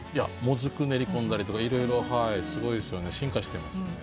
もずく練り込んだりとかいろいろすごいですよね。